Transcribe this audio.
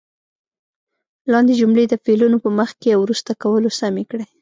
لاندې جملې د فعلونو په مخکې او وروسته کولو سمې کړئ.